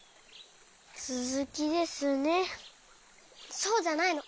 そうじゃないの。